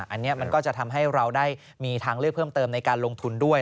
อันนี้มันก็จะทำให้เราได้มีทางเลือกเพิ่มเติมในการลงทุนด้วย